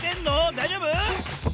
だいじょうぶ？